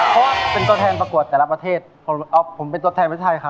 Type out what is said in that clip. เพราะว่าเป็นตอดแทนประกวดแต่ละประเทศหรือเป็นตอดแทนเบื่อไทยครับ